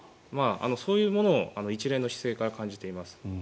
そういうものを一連の姿勢から感じています。